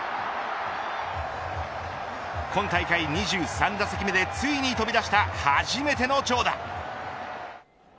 今大会２３打席目でついに飛び出した初めての長打。